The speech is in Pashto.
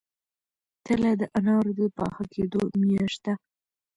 تله د انارو د پاخه کیدو میاشت ده.